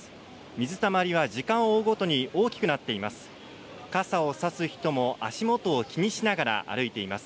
水たまりは時間を追うごとに大きくなっています。